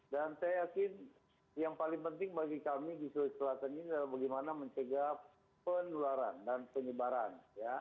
dan saya yakin yang paling penting bagi kami di sulawesi selatan ini adalah bagaimana mencegah penularan dan penyebaran